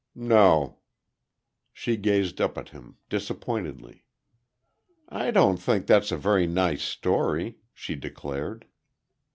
"No." She gazed up at him, disappointedly. "I don't think that's a very nice story," she declared.